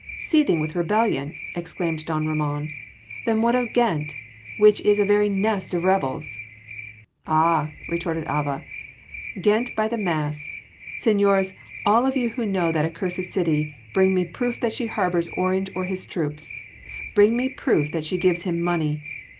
"Seething with rebellion!" exclaimed don Ramon, "then what of Ghent which is a very nest of rebels?" "Ah!" retorted Alva, "Ghent by the Mass! Seigniors, all of you who know that accursed city, bring me proof that she harbours Orange or his troops! Bring me proof that she gives him money!